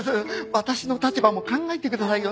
私の立場も考えてくださいよね。